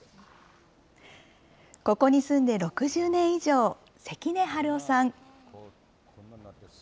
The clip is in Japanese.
ここに住んで６０年以上、関根春夫さん。